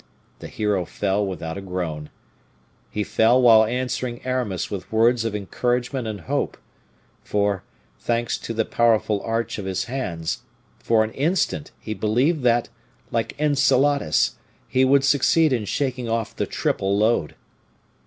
The hero fell without a groan he fell while answering Aramis with words of encouragement and hope, for, thanks to the powerful arch of his hands, for an instant he believed that, like Enceladus, he would succeed in shaking off the triple load.